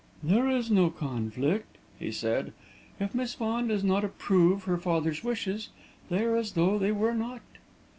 "There is no conflict," he said. "If Miss Vaughan does not approve her father's wishes, they are as though they were not!"